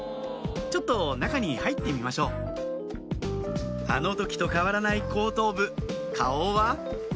ちょっと中に入ってみましょうあの時と変わらない後頭部顔は？